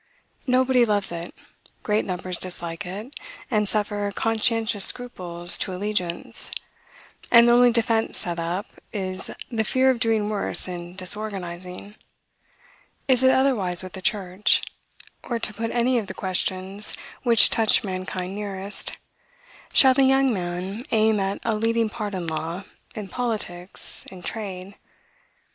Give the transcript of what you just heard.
Nobody loves it; great numbers dislike it, and suffer conscientious scruples to allegiance: and the only defense set up, is, the fear of doing worse in disorganizing. Is it otherwise with the church? Or, to put any of the questions which touch mankind nearest, shall the young man aim at a leading part in law, in politics, in trade?